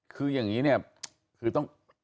คืออย่างนี้เนี่ยคือต้อง